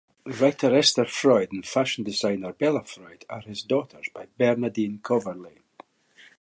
Writer Esther Freud and fashion designer Bella Freud are his daughters by Bernadine Coverley.